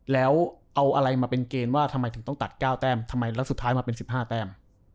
แล้วเอาอะไรมาเป็นเกณฑ์ว่าทำไมถึงต้องตัด๙แต้มทำไมแล้วสุดท้ายมาเป็น๑๕แต้ม